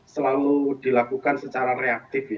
selalu dilakukan secara reaktif